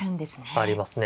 ありますね。